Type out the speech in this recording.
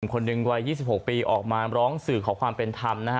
คนหนึ่งวัย๒๖ปีออกมาร้องสื่อขอความเป็นธรรมนะฮะ